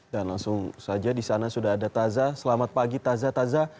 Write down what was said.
dan langsung saja disana sudah ada taza selamat pagi taza